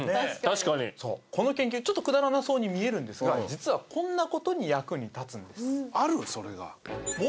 確かにこの研究ちょっとくだらなさそうに見えるんですが実はこんなことに役に立つんですある？